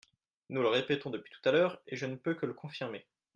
Nous le répétons depuis tout à l’heure, et je ne peux que le confirmer.